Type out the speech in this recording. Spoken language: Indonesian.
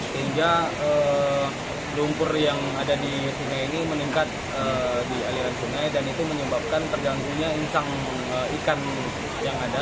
sehingga lumpur yang ada di sungai ini meningkat di aliran sungai dan itu menyebabkan terganggunya insang ikan yang ada